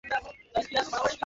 তুমি কি আসলেই ওকে গুলি করবে?